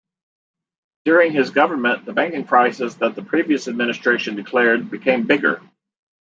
During his government the banking crisis that the previous administration declared became bigger.